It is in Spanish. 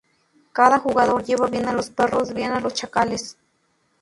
Cada jugador lleva bien a los perros, bien a los chacales.